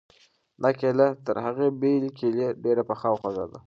دا کیله تر هغې بلې کیلې ډېره پخه او خوږه ده.